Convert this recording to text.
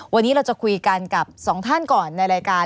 วันนี้เราจะคุยกันกับสองท่านก่อนในรายการ